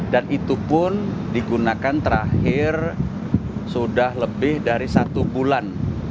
dan itu pun digunakan terakhir sudah lebih dari satu bulan